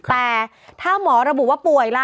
แต่ถ้าหมอระบุว่าป่วยล่ะ